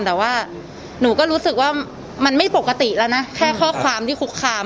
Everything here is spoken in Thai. แต่ว่าหนูก็รู้สึกว่ามันไม่ปกติแล้วนะแค่ข้อความที่คุกคาม